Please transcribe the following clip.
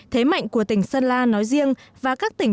thế mạnh của tỉnh sơn la nói riêng và các tỉnh